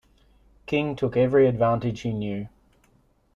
King took every advantage he knew.